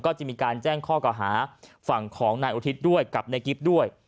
ก็จะมีการแจ้งข้อเก่าหาฝั่งของนายอุทิศด้วยกับนายกิ๊บด้วย